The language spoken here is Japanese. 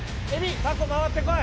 たこ回ってこい！